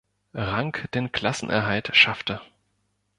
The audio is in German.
Rang den Klassenerhalt schaffte.